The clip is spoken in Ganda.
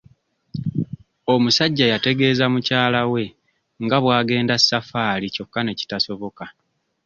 Omusajja yategeeza mukyala we nga bw'agenda saffaali kyokka ne kitasoboka.